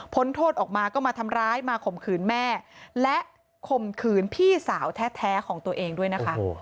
โทษออกมาก็มาทำร้ายมาข่มขืนแม่และข่มขืนพี่สาวแท้ของตัวเองด้วยนะคะ